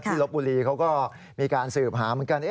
ลบบุรีเขาก็มีการสืบหาเหมือนกัน